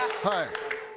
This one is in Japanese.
はい。